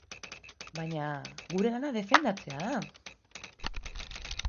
Baina gure lana defendatzea da.